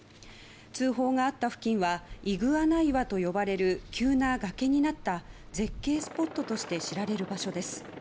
通報があった付近はイグアナ岩と呼ばれる急な崖になった絶景スポットとして知られる場所です。